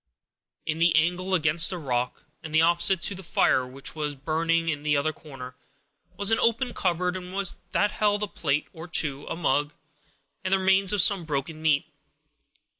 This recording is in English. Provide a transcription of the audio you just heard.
In the angle against the rock, and opposite to the fire which was burning in the other corner, was an open cupboard, that held a plate or two, a mug, and the remains of some broken meat.